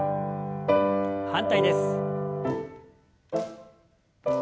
反対です。